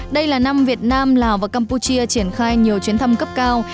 đây là năm việt nam lào và campuchia triển khai nhiều chuyến thăm cấp cao